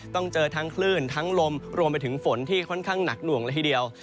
ต้องเจอทั้งคลื่นทั้งลมรวมไปถึงฝนที่ค่อนข้างหนักหน่วงละทีเดียว